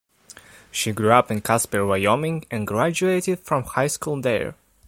She grew up in Casper, Wyoming, and graduated from high school there.